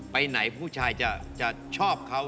ไปไหนผู้ชายจะชอบเขา